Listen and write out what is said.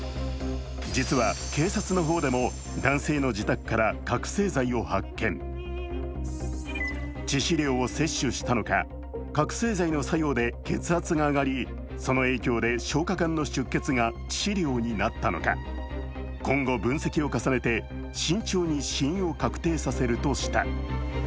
実は警察の方でも男性の自宅から覚醒剤を発見致死量を摂取したのか、覚醒剤の作用で血圧が上がりその影響で消化管の出血が致死量になったのか今後、分析を重ねて慎重に死因を確定させるとした。